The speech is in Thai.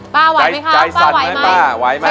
ป้าไหวไหมครับป้าไหวไหมใจสั่นไหมป้า